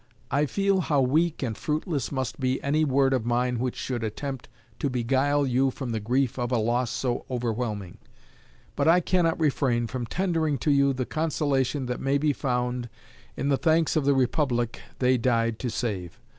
I feel how weak and fruitless must be any word of mine which should attempt to beguile you from the grief of a loss so overwhelming; but I cannot refrain from tendering to you the consolation that may be found in the thanks of the Republic they died to save.